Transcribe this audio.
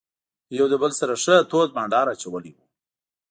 دوی یو له بل سره ښه تود بانډار اچولی وو.